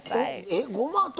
えごまと。